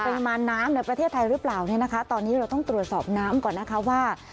ปริมาณน้ำในประเทศไทยหรือเปล่าเนี่ยนะคะตอนนี้เราต้องตรวจสอบน้ำก่อนนะคะว่า